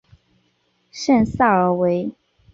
圣萨尔维。